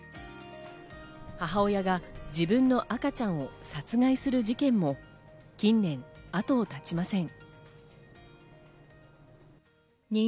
母親が自分の赤ちゃんを殺害する事件も近年、あとを絶ちません。